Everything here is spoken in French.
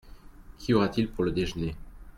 Qu'y aura-t-il pour le déjeuner ?